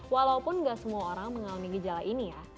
walaupun nggak semua orang mengalami gejala ini ya